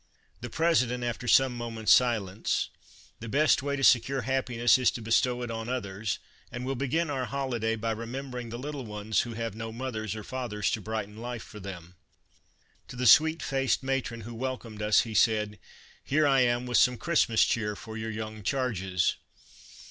The President, after some moments' silence :" The best way to secure happiness is to bestow it on others, and we '11 begin our holiday by remember ing the little ones who have no mothers or fathers to brighten life for them." To the sweet faced matron who welcomed us he said :" Here I am with some Christmas cheer for your young charges."